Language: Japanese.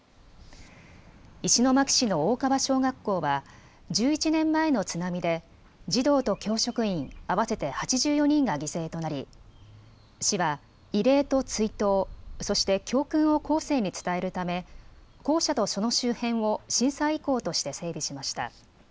石巻市の大川小学校は１１年前の津波で児童と教職員合わせて８４人が犠牲となり市は慰霊と追悼、そして教訓を後世に伝えるため校舎とその周辺を震災遺構として整備しました。